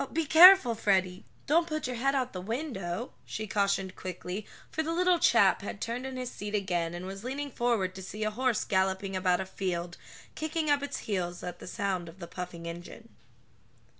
Be careful, Freddie, don't put your head out of the window," she cautioned quickly, for the little chap had turned in his seat again, and was leaning forward to see a horse galloping about a field, kicking up its heels at the sound of the puffing engine.